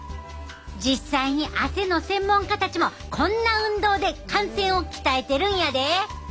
実際に汗の専門家たちもこんな運動で汗腺を鍛えてるんやで。